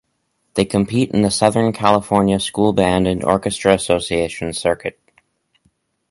They compete in the Southern California School Band and Orchestra Association circuit.